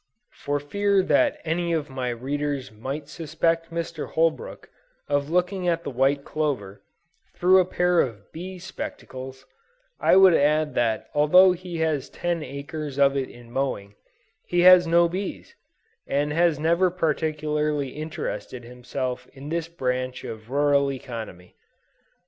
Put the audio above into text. For fear that any of my readers might suspect Mr. Holbrook of looking at the white clover, through a pair of bee spectacles, I would add that although he has ten acres of it in mowing, he has no bees, and has never particularly interested himself in this branch of rural economy.